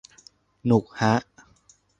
หนุกฮะ